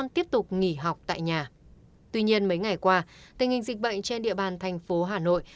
tuy nhiên mấy ngày qua tình hình dịch bệnh trên địa bàn thành phố hà nội